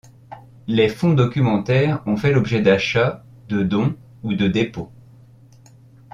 Les fonds documentaires ont fait l'objet d'achats, de dons ou de dépôts.